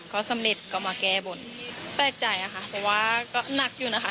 ก็สำเร็จก็มาแก้บนแปลกใจอะค่ะเพราะว่าก็หนักอยู่นะคะ